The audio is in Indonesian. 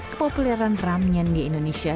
kepopuleran ramyeon di indonesia